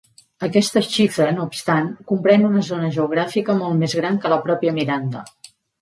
Aquesta xifra, no obstant, comprèn una zona geogràfica molt més gran que la pròpia Miranda.